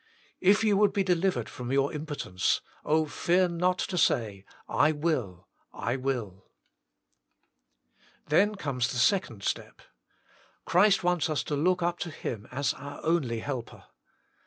If you would be delivered from your impotence oh, fear not to say, " I will, I will !" Then comes the second step. Christ wants us to look up to him as our only Helper.